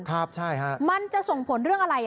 ครับใช่ฮะมันจะส่งผลเรื่องอะไร